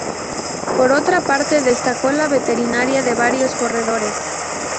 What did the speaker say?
Por otra parte destacó la veteranía de varios corredores.